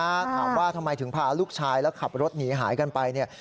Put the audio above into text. ถามว่าทำไมถึงพาลูกชายแล้วขับรถหนีหายกันไปเนี่ย